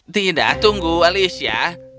tidak tunggu alicia